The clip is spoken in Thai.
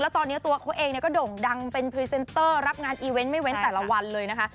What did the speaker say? ตอนนี้ตัวเขาเองก็โด่งดังเป็นพรีเซนเตอร์รับงานอีเวนต์ไม่เว้นแต่ละวันเลยนะคะ